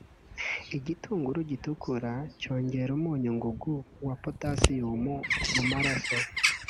Igitunguru gitukura cyongera umunyu ngugu wa potasiyumu mu maraso